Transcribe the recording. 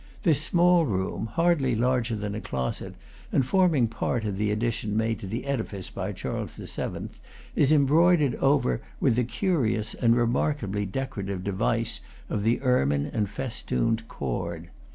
This small room, hardly larger than a closet, and forming part of the addition made to the edifice by Charles VIII., is embroidered over with the curious and remarkably decorative device of the ermine and festooned cord.